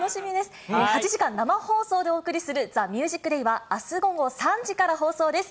８時間生放送でお送りするＴＨＥＭＵＳＩＣＤＡＹは、あす午後３時から放送です。